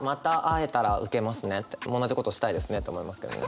同じことしたいですねと思いますけどね。